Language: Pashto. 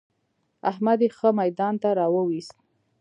احمد يې ښه ميدان ته را ويوست.